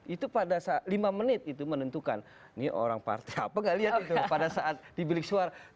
itu pada saat lima menit itu menentukan ini orang partai apa gak lihat itu pada saat di bilik suara